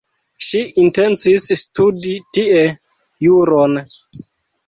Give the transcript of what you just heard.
Ŝi intencis studi tie juron.